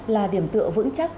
là điểm tựa vững chắc